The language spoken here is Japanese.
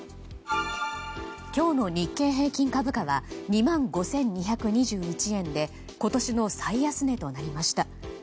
今日の日経平均株価は２万５２２１円で今年の最安値となりました。